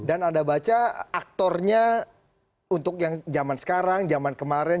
dan anda baca aktornya untuk yang zaman sekarang zaman kemarin